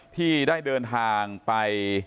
ที่ได้เดินทางไป